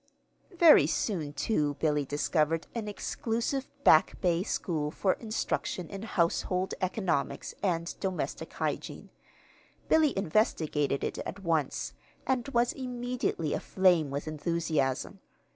Very soon, too, Billy discovered an exclusive Back Bay school for instruction in household economics and domestic hygiene. Billy investigated it at once, and was immediately aflame with enthusiasm.